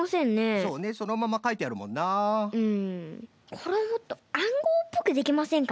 これもっとあんごうっぽくできませんかね。